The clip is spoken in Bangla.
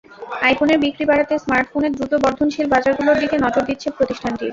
আইফোনের বিক্রি বাড়াতে স্মার্টফোনের দ্রুত বর্ধনশীল বাজারগুলোর দিকে নজর দিচ্ছে প্রতিষ্ঠানটি।